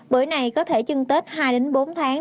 bưởi này có thể chưng tết hai đến bốn tháng